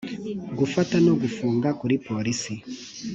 gufata no gufunga kuri polisi